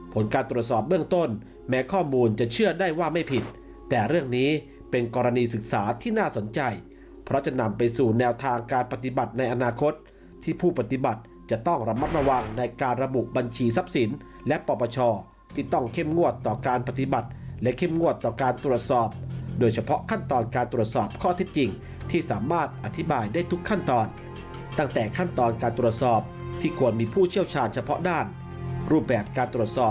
ผลการตรวจสอบเบื้องต้นแม้ข้อมูลจะเชื่อได้ว่าไม่ผิดแต่เรื่องนี้เป็นกรณีศึกษาที่น่าสนใจเพราะจะนำไปสู่แนวทางการปฏิบัติในอนาคตที่ผู้ปฏิบัติจะต้องระมัดระวังในการระบุบัญชีทรัพย์สินและปรับประชาที่ต้องเข้มงวดต่อการปฏิบัติและเข้มงวดต่อการตรวจสอบโดยเฉพาะขั้นตอนการตรวจส